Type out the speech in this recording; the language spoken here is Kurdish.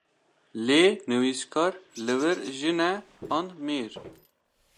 Lê nivîskar li vir jin e, an mêr?